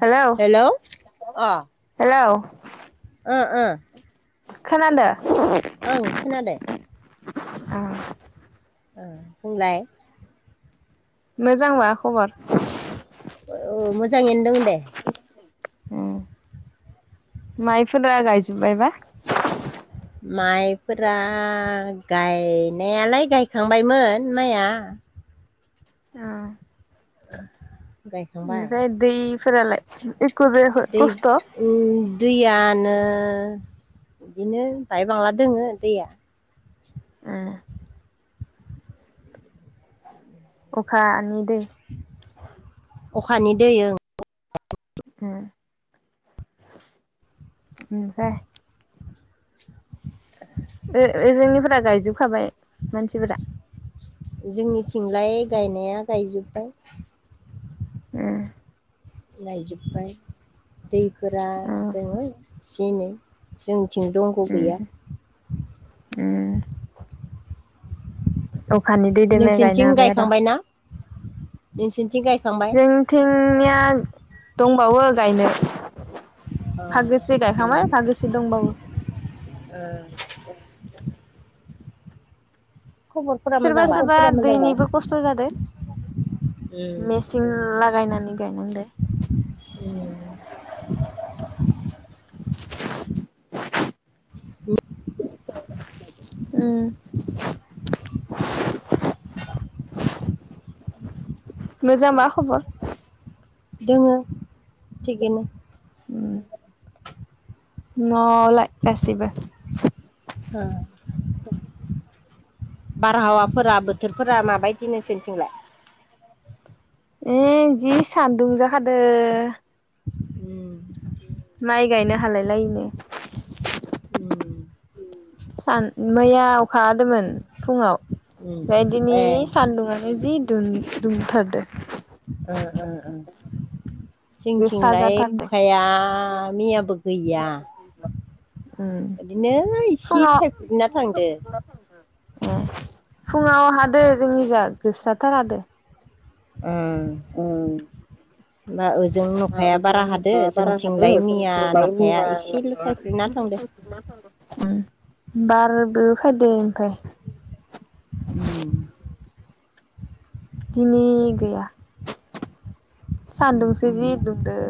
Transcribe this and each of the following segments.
हेल hello अ हेल ओ ओ खोनानो ओं खोनादो औ ओ बुंलाय मोजां मा खबर औ मोजाङैनो दं दे औ माइफोरा गायजोब्बायबा? माइफोरा गायनायालाय गायखांबायमोन माइआ औ गायखांबाय ओमफ्राय दैफोरालाय जायाखै दै खस्थ' ओम दैयानो बिदिनो बाय बांला दोङो दैया ए अखानि दै अखानि दै ओं ए [inaudible] ओम दे [inaudible] ओजोंनिफोरा गायजोबखाबाय मानसिफोरा जोंनिथिंलाय गायनाया गायजोब्बाय ए गायजोब्बाय दैफोरा दोङो एसे एनै जों थिं दंग' गैया अखानि दैदोनो गायनो नोंसोरनिथिं हाबाय आरो गायखांबायना? गायखांबाय जोंथिंनिया दंबावो गायनो अ फागोसे गायखांबाय भागोसे दंबाबो खबरफोरा सोरबा मोजांबा सोरबा दैनिबो खस्थ' जादों मेचिन लागायनानै गायनां दे [inaudible] [unintelligible] उम [unintelligible] मोजां मा खबर दोङो थिगैनो [inaudible] न'आवलाय गासिबो औ बारहावाफोरा बोथोरफोरा माबायदि नोंसिनिथिं लाय? ए जि सान्दुं जाखादों उम माइ गायनो हालायलायिनो उम सान मैया अखाहादोंमोन फुङाव उम बेदिनो ए सान्दुंआनो जि दुमथारदो ओ ओ गोसा जोंथिंलाय जाथारदो अखाया मैयाबो गैया उम बिदिनो इसे फुङाव थाइफुरना थांदो ए फुङाव हादो जोंनि जा गोसाथार हादों ओ होनबा ओजों नखाया बारा हादो जोंथिंलाय मैया नखाया एसेल' थायफ्रिनान [unintelligible] बारबो फैदो ओमफाय उम दिनै गैया उम सान्दुंसो उम जि दुंदो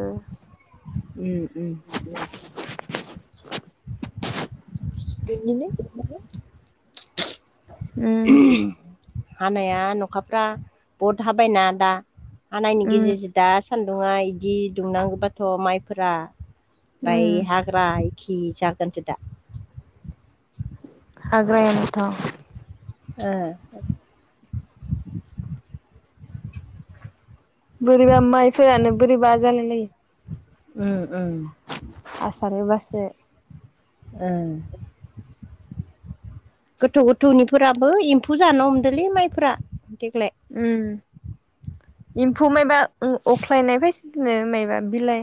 उम उम बिदिनो उम हानाया नखाफ्रा बहुद हाबायना दा हानायनि उम गेजेरजों दा सान्दुंङा इदि दुंनांगोबाथ' माइफोरा माय उम हाग्राय खि जागोनसो दा हाग्रायानोथ' ए। बोरैबा माइफोरानो बोरैबा उम उम जालायलायो। हासार होबासो। ओ। गोथौ -गोथौनिफोराबो एम्फौ जानो हमदोंलै माइफोरा। देग्लाय उम। एम्फौ मायबा अ-अख्लायनाय फायसिदोनो मायबा बिलाइ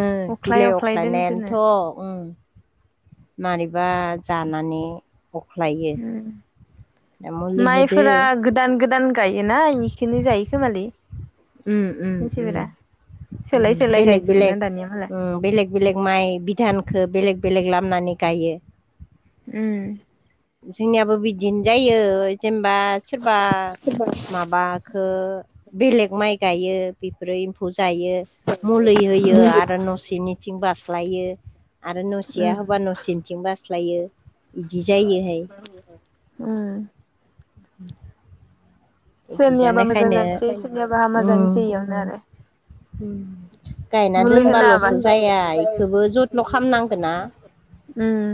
ओ अख्लाय बिलाइ अख्लाय दोनदोनो अख्लायनायानोथ' ओं। मारैबा जानानै अख्लायो। उम दा मुलि होदो माइफोरा गोदान- गोदान गायोना इखौनो जायो खोमालै। ओम, ओम, मानसिफोरा ओम। सोलाय उम सोलाय बेलेग- गायजोबोना बेलेग दानिया मालाय ओम बेलेग -बेलेग माइ बिधानखौ बेलेग -बेलेग [unintelligible] [unintelligible] गायो। उम। जोंनियाबो बिदिनो जायो [unintelligible] बा सोरबा माबाखो बेलेग माइ गायो। बेफोरो एम्फौ जायो। मुलै होयो आरो नसेनिथिं [unintelligible] [unintelligible] आरो न'सेया उम होबा न'सेनिथिं बास्लायो। बिदि जायोहाय। ओम। [unintelligible] इदि सोरनियाबा मोजां जानायखायनो जानोसै, सोरनियाबा हामा जानोसै इयावनो आरो। उम। गायना मुलि होना दोनबाल'सो हाबासो जाया बेखौबो जथ्न' खालामनांगोन ना। उम।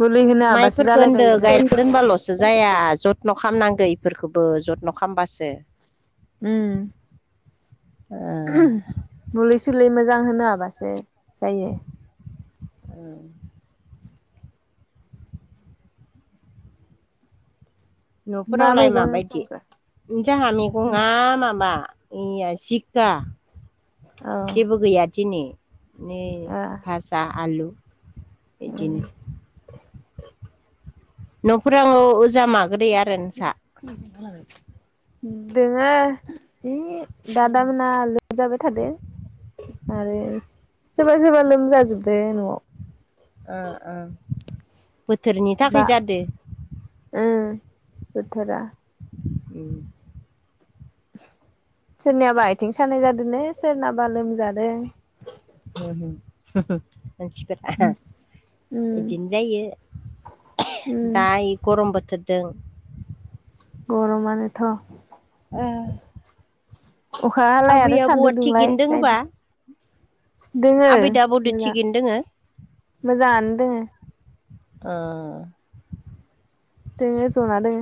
मुलि होनो हाबासो माइफोरखौ होनदों जालायबायो बेयो गायना दोनबाल'सो जाया जथ्न' खालामनांगो [unintelligible] [unintelligible] जथ्न' खालामबासो। उम। ओ मुुलि- सुलि मोजां होनो हाबासो जायो। ओम। मा न'फोरावलाय मैगं माबायदि संखो? जोंहा मैगङा माबा [unintelligible] जिक्खा औ जेबो गैया दिनै। ओ [unintelligible] भाजा आलु उम बिदिनो। न'फोराव अजा माग्रैया दोङो है दादा मोना लोमजाबाय थादो। आरो सोरबा- सोरबा लोमजाजोबदो न'आव। ओ, ओ बोथोरनि बा थाखाय जादो। ओं बोथोरा उम। सोरनियाबा आथिं सानाय जादोंनो सोरनाबा लोमजादों। होम, होम। मानसिफोरा उम बिदिनो जायो उम दा इ गरम [unintelligible] [unintelligible] गरमानोथ' उम। अखा हालाय आरो सान्दुं दुंलाय थिगैनो दोङोबा [unintelligible] दोङो आबै दाबौदो मोजां थिगैनो दोङो मोजाङानो दोङो। ओ। दोङो जना दोङो।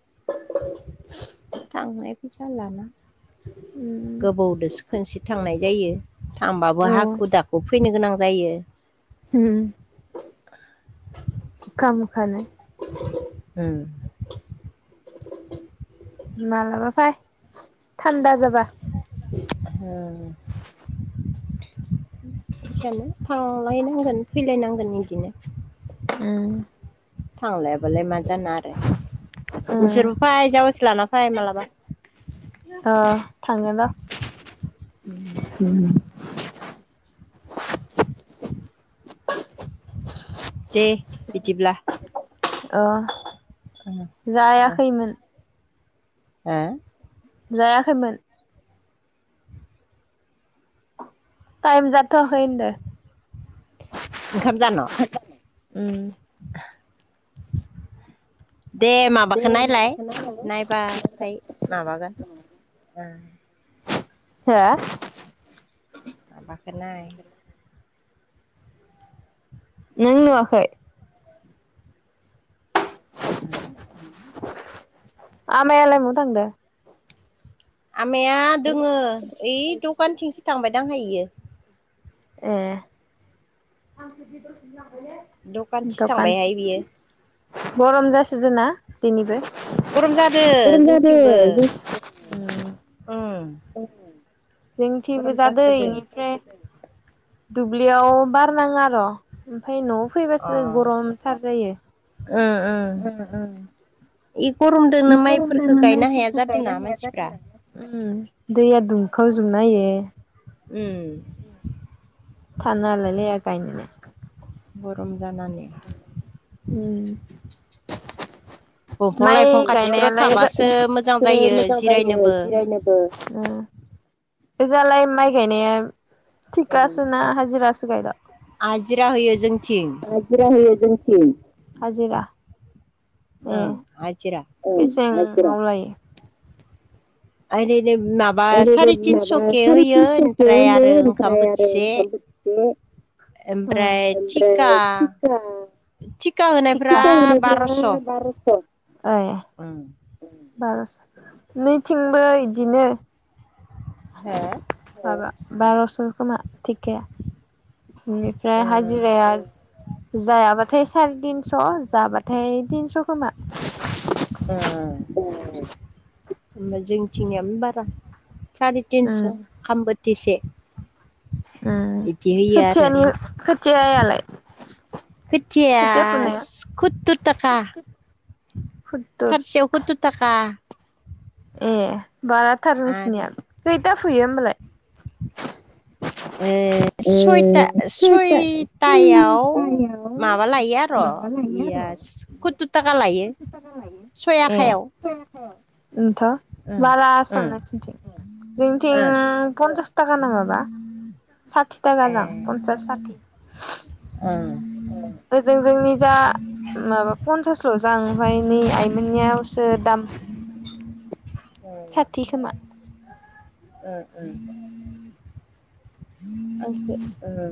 [inaudible] थांनाय फैसा लाना उम। गोबावदोसो खोनसे थांनाय जायो थांबाबो औ हाखु दाखु फैनो गोनां नायो। उम अखा मखानो। ओ। मालाबा फाय थान्दा जाब [unintelligible] इसानो थांलायनांगोन फैलायनांगोन बिदिनो उम। थांलायाबालाय मा जानो आरो। ओ जिरबो फै जावैखे लाना फै माबलाबा। अ थांगोन र' दे बिदिब्ला। अ जायाखैमोन ओ। जायाखैमोन। टाइम जाथ'आखै होनदों। ओंखाम जान' उम। दे माबाखौ नायलाय नायबाथाय माबागोन [inaudible] हो बाखोनाय नों नुआखै? उम। आमायालाय नवाव थांदों? आमाया दोङो ओइ दखानथिंसो थांबाय दांहयो। ए। दखानथि दखानथिं थांबायहाय बियो। गरम जासोदों ना दिनैबो? गरम जादो जोंथिंबो उम जोंथिं बो गरम जादो जासोदो बेनिफ्राय दुब्लियाव बार नाङो आर'। मफाय न'आव अ फैबासो गरमथार जायो। ओ ओ इ गरमदोंनो माइफोरखौ इफोरदोंनो गायनो हाया माइफोरफोरखौ गायनो जादोंना हाया ज मानसिफ्रा जादों न उम। दैया दुंखाव जोंनायो। उम। थानो हालाय लाया गायनोनो। गरम जानानै उम दंफां माइ लाइफां खाथिफोराव गायनायालायसो थाबासो जायो मोजां जायो जिरायनोबो जिरायनोबो बेजालाय माइ गायनाया थिकासो ना हाजिरासो गायला हाजिरा होयो जोंथिं हाजिरा होयो जोंथि हाजिरा। ए ओं हाजिरा [inaudible] बेसां आव लायो? आरे माबा साराय तिनस'केयै होयो ओमफ्राय आरो ओंखाम बोथिसे उम ओमफ्राय थिखा थिखा होनायफ्रा थिखा बार'स' ओइ बार'स' नैथिंबो बिदिनो। हे माबा बार'स' खोमा थिकाया। बेनिफ्राय ओ ओ हाजिराया जायाबाथाय साराय तिनस' जाबाथाय थिनस' खोमा। ए जोंथिंयाम बारा। सारि तिनस' उम खाम बोथिसे। उम इदि होयो आरो खोथियानि खोथियालाय? खोथियाया खुत्तर थाखा। खुत्तुर थारसेयाव खुत्तुर थाखा। ए बाराथार आरो नोंसिनिया खैथा फुयो होमबालाय? ए सय था सयथायाव माबा लायो आर' इयास खुत्तुर थाखा लायो सइ ए आखायाव। ओनथ' ओ बारा ओ आसाम नोंसोरनिथिं ओ जोंनिथिं फन्सास थाखा नायाबा साथि थाखा जां ए पन्सास साथि ओ ओजों जोंनि जा माबा पन्सासल' जां ओमफ्राय नै आइमोननियावसो दाम साथि खोमा। ओ ओ अके ओ।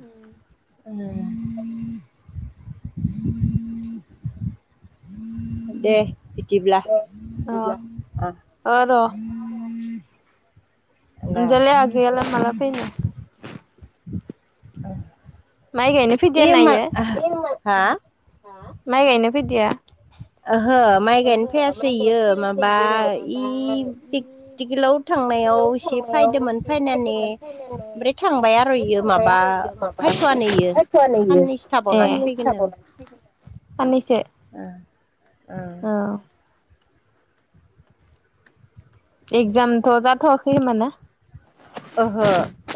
उम। ओ। दे बिदिब्ला। अ अ र' ना अनजालि आगैयालाय माला फैयोनो? ओ। माइ गायनो फैदिया ना इयो हा माइ गायनो फैदिया? ओहो माइ गायनो फैयासै इयो माबा इ पेकटिकेलाव थांनायाव आव से फैदोंमोन फैनानै ओमफ्राय थांबाय आरोयो माबा फायथ'वानो ए ए सानैैसो ओ ओ। एगजामथ' जाथ'वाखै होमबाना? ओहो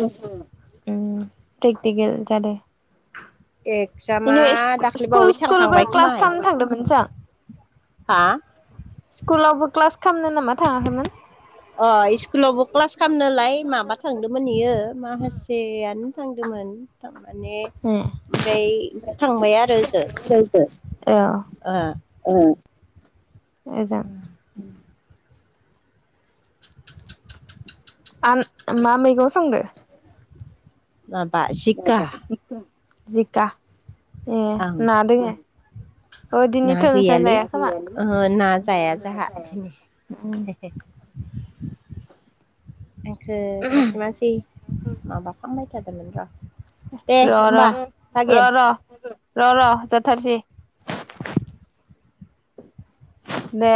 उम पेकथिकेल जादो। एगजामा इनि इस्कु स्कुल दाख्लैबावै स्कुलबो थांखांबाय क्लास खोमाहाय खालामनो थांदोमोनसां? हा? स्कुलावबो मा थाङाखैमोन? अ इस्कुलावबो क्लास खालामनोलाय माबा थांदोंमोन इयो माखासेयान थांदोंमोन थां माने ए ओमफ्राय थांबाय आरो ओजो। ए ओ। ओजों। आम मा मैगं संदों? माबा जिखा जिखा ए आं ना दोङो? अ ना दिनैथ' नोंस्रा गैयालै जाया खोमा ओहो ना जाया जोहा दिनै। हे हे। आंखो सासे मानसि माबा खालामबाय थादोंमोन र'। दे र र होमबा र भागेन र र र जाथारसै। दे।